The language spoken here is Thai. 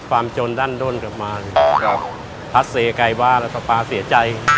ฟาร์มจนด้านด้นประมาณพาซเซกายวาแล้วสปาร์เซียใจ